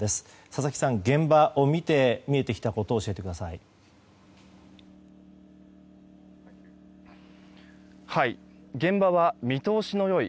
佐々木さん、現場を見て見えてきたことを教えてください。